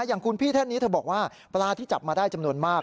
อย่างคุณพี่ท่านนี้เธอบอกว่าปลาที่จับมาได้จำนวนมาก